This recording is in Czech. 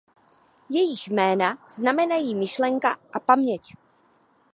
Jejich jména znamenají Myšlenka a Paměť.